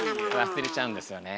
忘れちゃうんですよねえ。